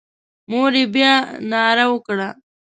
مور یې بیا ناره وکړه.